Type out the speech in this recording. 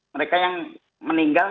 mereka yang meninggal